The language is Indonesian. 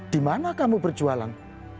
dimana kamu berjualan